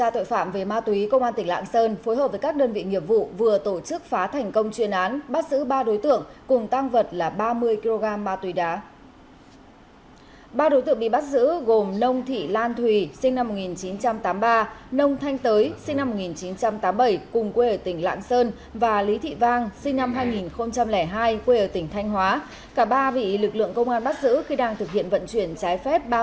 tỉnh thanh hóa cả ba vị lực lượng công an bắt giữ khi đang thực hiện vận chuyển trái phép